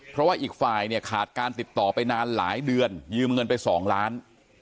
เพราะว่าอีกฝ่ายเนี่ยขาดการติดต่อไปนานหลายเดือนยืมเงินไป๒ล้าน